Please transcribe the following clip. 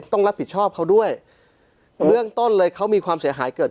ต้องรับผิดชอบเขาด้วยเบื้องต้นเลยเขามีความเสียหายเกิด